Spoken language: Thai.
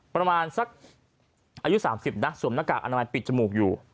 ประมาณสักอายุ๓๐นะสวมหน้ากากอนามัยปิดจมูกอยู่